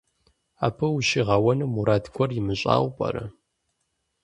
Абы ущигъэуэну мурад гуэр имыщӀауэ пӀэрэ?